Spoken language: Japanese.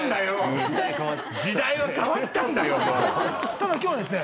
ただ今日はですね